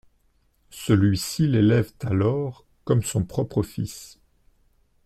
Celui-ci l'élève alors comme son propre fils.